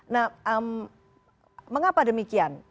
nah mengapa demikian